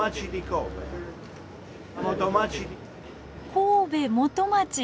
神戸元町！